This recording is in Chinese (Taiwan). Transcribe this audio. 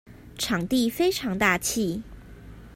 場地非常大氣